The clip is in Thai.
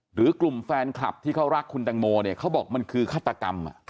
หรือกลุ่มแฟนคลับที่เขารักคุณตังโมเนี่ยเขาบอกมันคือฆาตกรรม